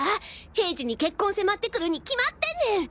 平次に結婚迫ってくるに決まってんねん。